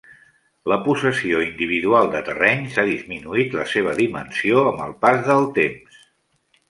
La possessió individual de terrenys ha disminuït la seva dimensió amb el pas del temps.